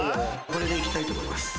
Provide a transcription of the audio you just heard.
これでいきたいと思います。